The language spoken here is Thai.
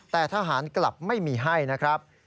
แต่ทหารกลับไม่มีให้นะครับ